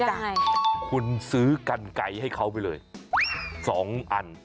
ยังไงคุณซื้อกันไก่ให้เขาไปเลยสองอัน